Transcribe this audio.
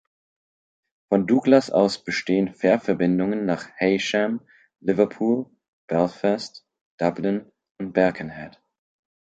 Von Douglas aus bestehen Fährverbindungen nach Heysham, Liverpool, Belfast, Dublin und Birkenhead.